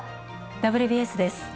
「ＷＢＳ」です。